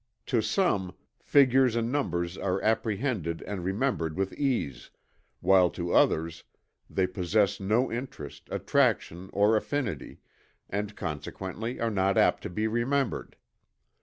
To some, figures and numbers are apprehended and remembered with ease, while to others they possess no interest, attraction or affinity, and consequently are not apt to be remembered.